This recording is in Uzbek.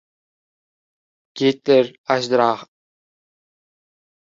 Gitler ajdarho edi-da, to‘g‘rimi gapim?